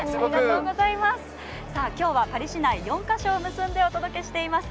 今日はパリ市内４か所を結んでお届けしています。